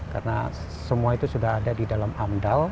karena semua itu sudah ada di dalam amdal